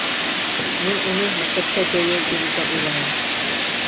Мин уны мәктәпкә быйыл бирергә уйлайым